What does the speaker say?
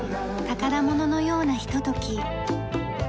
宝物のようなひととき。